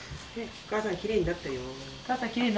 お母さんきれいになったよ。